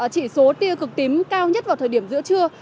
chỉ số tia cực tím cao nhất vào thời điểm giữa trưa